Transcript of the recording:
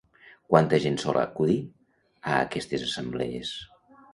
Quanta gent sol acudir a aquestes assemblees?